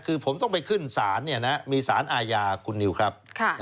คือผมต้องไปขึ้นศาลมีสารอาญาคุณนิวครับ